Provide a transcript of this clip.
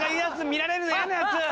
見られるの嫌なやつ。